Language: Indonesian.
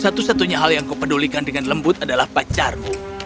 satu satunya hal yang kau pedulikan dengan lembut adalah pacarmu